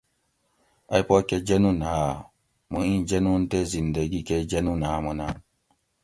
ائی پا کہ جنون آۤ؟ موں ایں جنون تے زندگی کئی جنون آۤمو نہ